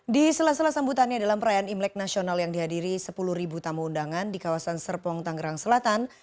di sela sela sambutannya dalam perayaan imlek nasional yang dihadiri sepuluh tamu undangan di kawasan serpong tangerang selatan